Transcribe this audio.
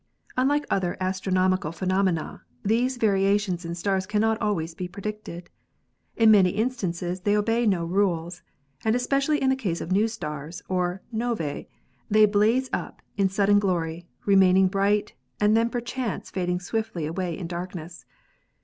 Un like other astronomical phenomena, these variations in stars cannot always be predicted. In many instances they obey no rules, and especially in the case of new stars, or "novae," they blaze up in sudden glory, remaining bright and then perchance fading swiftly away in darkness.